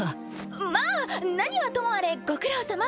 まあ何はともあれご苦労さま。